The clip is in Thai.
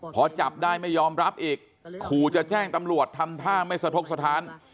พอจับได้ไม่ยอมรับอีกขู่จะแจ้งตำรวจทำท่าไม่สะทกสถาน